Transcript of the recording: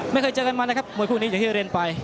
ไม่เคยเจอกันมานะครับมวยคู่นี้อย่างที่เรียนไป